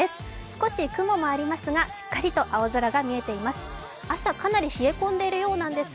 少し雲もありますがしっかりと空も見えています。